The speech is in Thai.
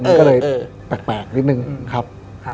มันก็เลยแปลกนิดนึงครับ